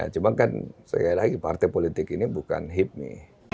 cuma kan sekali lagi partai politik ini bukan hipmi